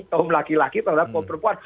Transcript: kaum laki laki terhadap kaum perempuan